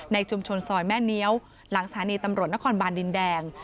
ชุมชนซอยแม่เนี้ยวหลังสถานีตำรวจนครบานดินแดง